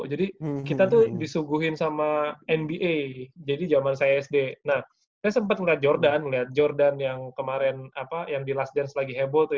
jadi kita tuh disuguhin sama nba jadi jaman saya sd nah saya sempet liat jordan jordan yang kemarin apa yang di last dance lagi heboh tuh ya